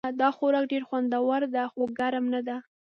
دا خوراک ډېر خوندور ده خو ګرم نه ده